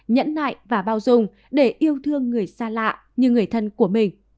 nhẫn nại và bao dung để yêu thương người xa lạ như người thân của mình